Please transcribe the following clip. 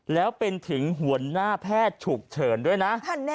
แล้วเป็นถึงหัวหน้าแพทย์ฉุกเฉินด้วยนะ